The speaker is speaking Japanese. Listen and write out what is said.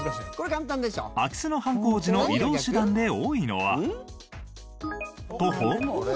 空き巣の犯行時の移動手段で多いのは徒歩？